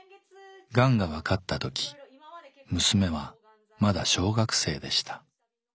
がんが分かった時娘はまだ小学生でした。